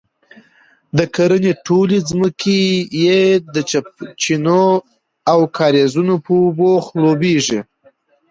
د کرنې ټولې ځمکې یې د چینو او کاریزونو په اوبو خړوبیږي،